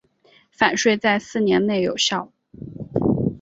返税在四年内有效。